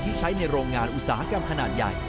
ใช้ในโรงงานอุตสาหกรรมขนาดใหญ่